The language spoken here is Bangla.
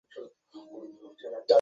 তাহলে, যাও!